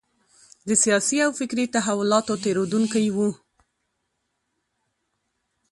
د سیاسي او فکري تحولاتو تېرېدونکی و.